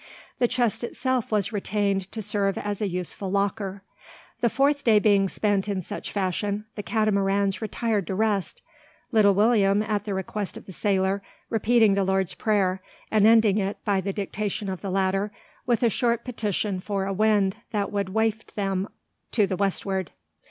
The chest itself was retained to serve as a useful "locker." The fourth day being spent in such fashion, the Catamarans retired to rest, little William, at the request of the sailor, repeating the Lord's Prayer, and ending it, by the dictation of the latter, with a short petition for a wind that would waft them to the westward!